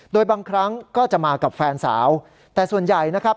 โดยบางครั้งก็จะมากับแฟนสาวแต่ส่วนใหญ่นะครับ